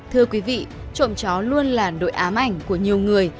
thưa quý vị trộm chó luôn là nỗi ám ảnh của nhiều người